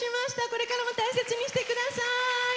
これからも大切にしてください。